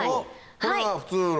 これが普通の？